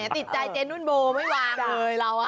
ติดใจเจนุ่นโบไม่วางเลย